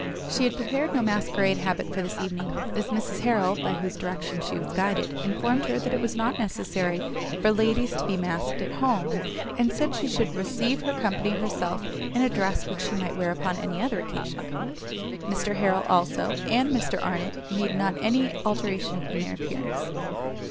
She had prepared no masquerade habit for this evening, as Mrs Harrel, by whose direction she was guided, informed her it was not necessary for ladies to be masked at home, and said she should receive her company herself in a dress which she might wear upon any other occasion. Mr Harrel, also, and Mr Arnott made not any alteration in their appearance.